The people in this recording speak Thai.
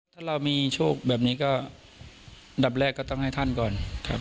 ถ้าเรามีโชคแบบนี้ก็ดับแรกก็ต้องให้ท่านก่อนครับ